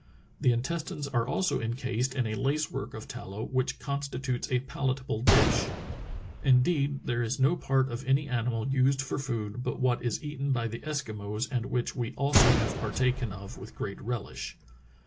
The intestines are also encased in a lace work of tallow which constitutes a palatable dish. Indeed, there is no part of any animal used for food but what is eaten by the Eskimos and which we also have partaken of with great relish.